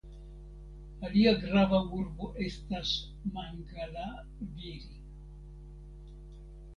Alia grava urbo estas Mangalagiri.